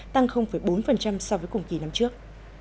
tăng bốn so với cùng kỳ năm trước